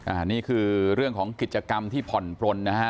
อันนี้คือเรื่องของกิจกรรมที่ผ่อนปลนนะฮะ